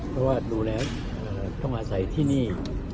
เพราะว่าดูแล้วต้องอาศัยที่นี่